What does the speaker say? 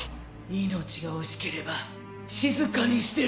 命が惜しければ静かにしてろ。